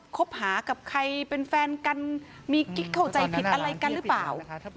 คบหากับใครเป็นแฟนกันมีกิ๊กเข้าใจผิดอะไรกันหรือเปล่า